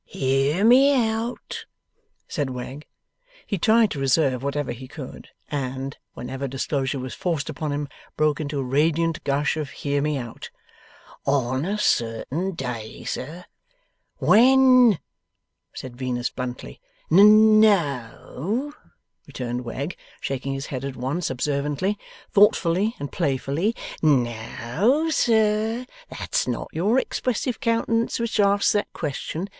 ' Hear me out!' said Wegg. (He tried to reserve whatever he could, and, whenever disclosure was forced upon him, broke into a radiant gush of Hear me out.) 'On a certain day, sir ' 'When?' said Venus bluntly. 'N no,' returned Wegg, shaking his head at once observantly, thoughtfully, and playfully. 'No, sir! That's not your expressive countenance which asks that question.